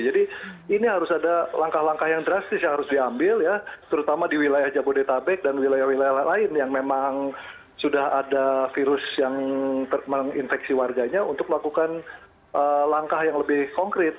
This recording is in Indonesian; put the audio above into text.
jadi ini harus ada langkah langkah yang drastis yang harus diambil ya terutama di wilayah jabodetabek dan wilayah wilayah lain yang memang sudah ada virus yang menginfeksi warganya untuk melakukan langkah yang lebih konkret